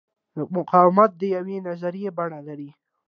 دا مقاومت د یوې نظریې بڼه لري.